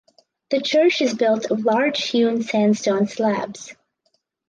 The church is built of large hewn sandstone slabs.